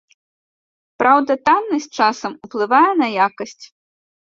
Праўда, таннасць часам уплывае на якасць.